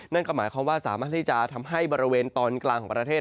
นั่นก็หมายความว่าสามารถที่จะทำให้บริเวณตอนกลางของประเทศ